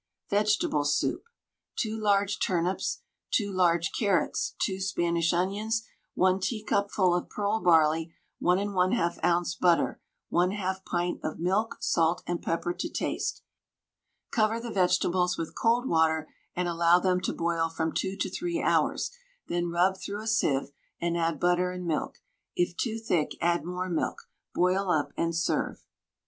VEGETABLE SOUP. 2 large turnips, 2 large carrots, 2 Spanish onions, 1 teacupful of pearl barley, 1 1/2 oz. butter, 1/2 pint of milk, salt and pepper to taste. Cover the vegetables with cold water and allow them to boil from 2 to 3 hours, then rub through a sieve and add butter and milk. It too thick, add more milk. Boil up and serve.